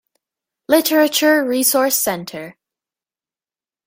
Literature Resource Center.